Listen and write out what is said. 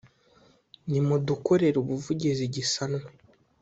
nimudukorere ubuvugizi gisanwe